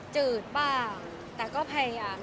จืดบ้างแต่ก็พยายาม